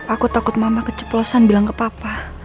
aku takut mama keceplosan bilang ke papa